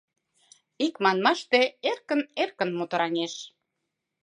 Ик манмаште, эркын-эркын мотораҥеш.